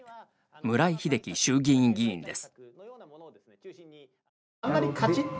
村井英樹衆議院議員です。